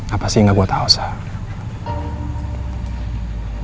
apa sih gak gue tau sam